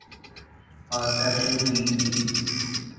آتش بیدود